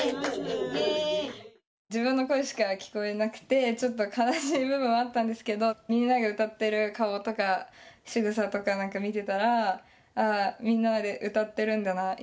自分の声しか聞こえなくてちょっと悲しい部分はあったんですけど皆が歌ってる顔とかしぐさとか見てたらああみんなで歌ってるんだな。